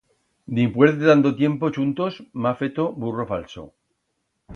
Dimpues de tanto tiempo chuntos m'ha feto burro falso.